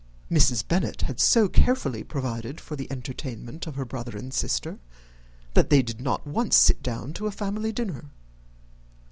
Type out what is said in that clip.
Mrs. Bennet had so carefully provided for the entertainment of her brother and sister, that they did not once sit down to a family dinner.